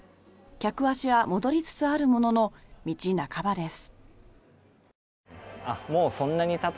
客足は戻りつつあるものの道半ばです。